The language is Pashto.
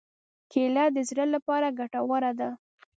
کېله د زړه لپاره ګټوره ده.